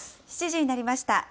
７時になりました。